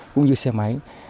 cũng như xe máy